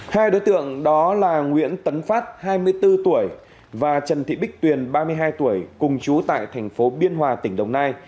hai đối tượng đó là nguyễn tấn phát hai mươi bốn tuổi và trần thị bích tuyền ba mươi hai tuổi cùng chú tại thành phố biên hòa tỉnh đồng nai